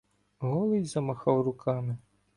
Голий замахав руками.